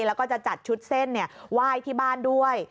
แล้วก็จะจัดชุดเส้นไหว้ที่บ้านด้วย